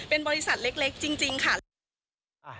เป็นบริษัทเล็กจริงค่ะ